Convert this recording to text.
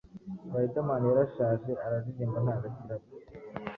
Riderman yarashaje araririmba ntago akirapa